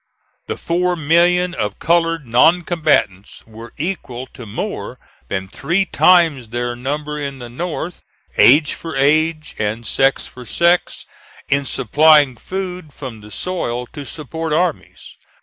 The four million of colored non combatants were equal to more than three times their number in the North, age for age and sex for sex, in supplying food from the soil to support armies.